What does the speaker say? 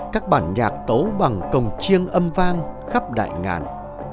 các bản nhạc tấu bằng cổng chiêng âm vang khắp đại ngàn